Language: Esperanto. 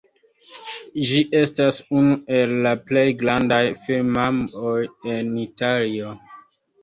Ĝi estas unu el la plej grandaj firmaoj en Italio.